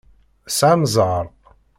Tesɛam zzheṛ.